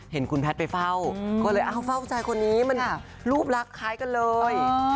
เห็นคุณแพทย์ไปเฝ้าก็เลยอ้าวเฝ้าใจคนนี้มันรูปลักษณ์คล้ายกันเลย